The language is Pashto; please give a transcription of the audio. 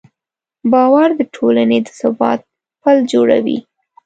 باور د ټولنې د ثبات پل جوړوي.